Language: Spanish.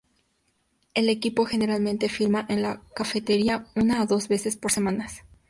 El equipo generalmente filma en la cafetería una o dos veces por semana.